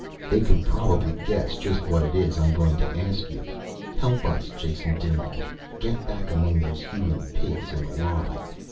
They could probably guess just what it is I am going to ask you. "Help us, Jason dinAlt. Get back among those human pigs and lie.